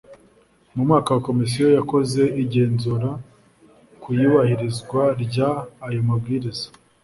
Mu mwaka wa Komisiyo yakoze igenzura ku iyubahirizwa ry ayo mabwiriza